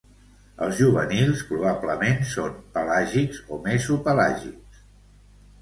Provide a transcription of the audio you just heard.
Els juvenils, probablement, són pelàgics o mesopelàgics.